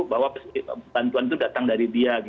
bahwa bantuan itu datang dari dia